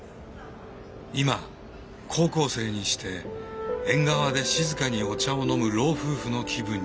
今高校生にして縁側で静かにお茶を飲む老夫婦の気分になっている。